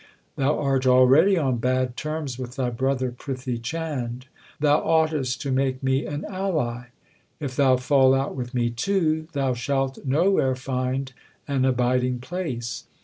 Thou art already on bad terms with thy brother Prithi Chand. Thou oughtest to make me an ally. If thou fall out with me too, thou shalt nowhere find an abiding place.